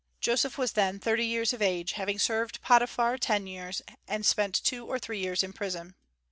Joseph was then thirty years of age, having served Potiphar ten years, and spent two or three years in prison.